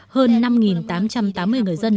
hơn năm tám trăm tám mươi người dân